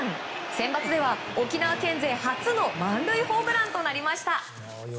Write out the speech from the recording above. センバツでは沖縄県勢初の満塁ホームランとなりました。